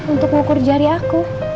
untuk mengukur jari aku